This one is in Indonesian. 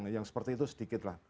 yang seperti itu sedikit lah